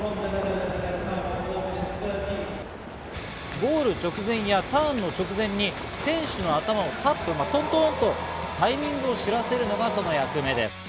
ゴール直前やターンの直前に選手の頭をタップ、トントンとタイミングを知らせるのがその役目です。